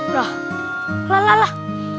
lah lah lah lah